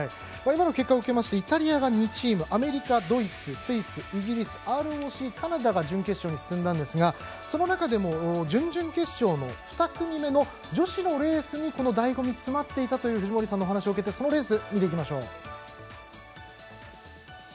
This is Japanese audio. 今の結果を受けましてイタリアが２チームアメリカ、ドイツスイス、イギリスＲＯＣ、カナダが準決勝に進んだんですがその中でも、準々決勝の２組目の女子のレースにだいご味が詰まっていたという藤森さんのお話を受けてそのレースを見ていきましょう。